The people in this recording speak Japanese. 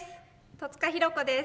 戸塚寛子です。